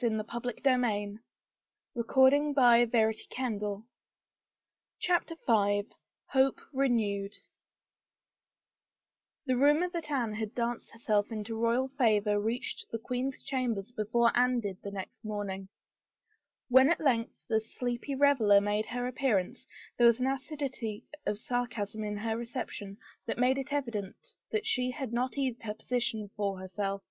Remember, Anne — Henry, too, is a married man I " CHAPTER V HOPE RENEWED M^^HE rumor that Anne had danced herself into M 'j royal favor reached the queen's chambers ^^^^ before Anne did the next morning. When at length the sleepy reveler made her appearance, there was an acidity of sarcasm in her reception that made it evident she had not eased her position for her self.